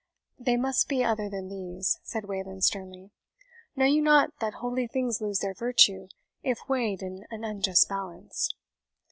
"They must be other than these," said Wayland sternly. "Know you not that holy things lose their virtue if weighed in an unjust balance?"